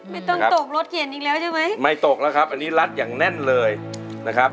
ไม่ต้องตกรถเขียนอีกแล้วใช่ไหมไม่ตกแล้วครับอันนี้รัดอย่างแน่นเลยนะครับ